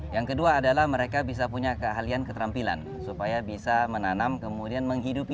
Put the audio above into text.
yang kedua adalah mereka bisa punya keahlian keterampilan supaya bisa menanam kemudian menghidupi